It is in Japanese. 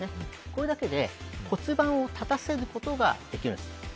これだけで骨盤を立たせることができるんです。